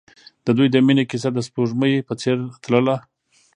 د دوی د مینې کیسه د سپوږمۍ په څېر تلله.